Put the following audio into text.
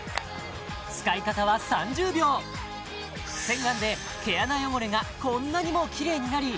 使い方は３０秒洗顔で毛穴汚れがこんなにもキレイになり